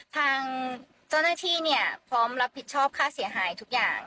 ทางเจ้าหน้าที่เนี่ยพร้อมรับผิดชอบค่าเสียหายทุกอย่าง